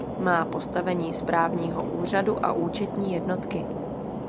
Má postavení správního úřadu a účetní jednotky.